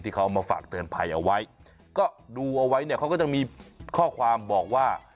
ที่เขามาฝากเตือนภัยเอาไว้ก็ดูเอาไว้เนี่ยเขาก็จะมีข้อความบอกว่า